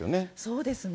そうですね。